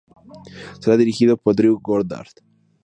Será dirigido por Drew Goddard.